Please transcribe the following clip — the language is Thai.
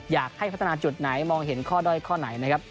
อยากให้พัฒนาจุดไหนมองเห็นข้อด้อยข้อไหนนะครับ